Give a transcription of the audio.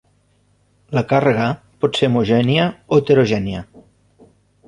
La càrrega pot ser homogènia o heterogènia.